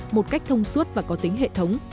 một cách thông suốt và có tính hệ thống